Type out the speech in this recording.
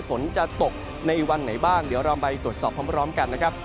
ฝนจะตกในวันไหนบ้างเดี๋ยวเราไปตรวจสอบพร้อมกันนะครับ